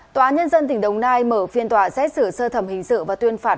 tòa nhân dân tỉnh đồng nai mở phiên tòa xét xử sơ thẩm hình sự và tuyên phạt